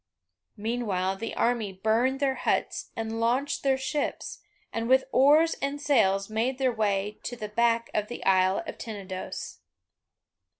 Meanwhile, the army burned their huts and launched their ships, and with oars and sails made their way to the back of the isle of Tenedos.